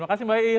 makasih mbak is